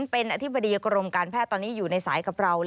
เป็นอธิบดีกรมการแพทย์ตอนนี้อยู่ในสายกับเรา